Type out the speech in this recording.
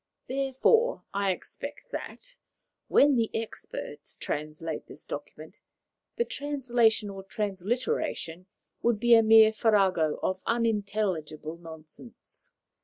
Therefore, I expect that, when the experts translate this document, the translation or transliteration will be a mere farrago of unintelligible nonsense.